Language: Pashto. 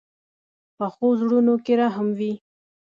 پخو زړونو کې رحم وي